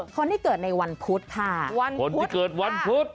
คนที่เกิดในวันพุธค่ะคนที่เกิดวันพุธ